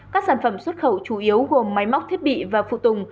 các sản phẩm xuất khẩu chủ yếu gồm máy móc thiết bị và phụ tùng